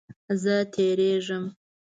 زه تیریږم